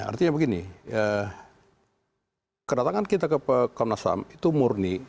artinya begini kedatangan kita ke komnas ham itu murni